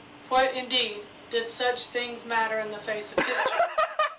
What, indeed, did such things matter in the face of history?